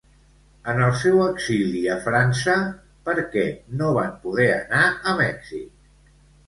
En el seu exili a França, per què no van poder anar a Mèxic?